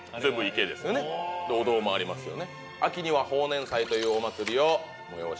池でお堂もありますよね。